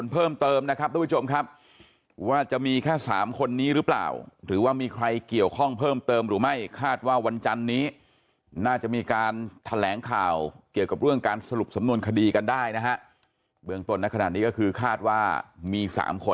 เป็นจังหวะที่เขาเดินไปซื้อของนี่